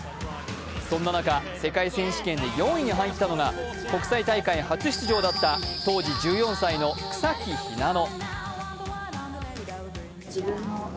そんな中、世界選手権で４位に入ったのが国際大会初出場だった当時１４歳の草木ひなの。